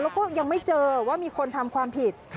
แล้วก็ยังไม่เจอว่ามีคนทำความผิด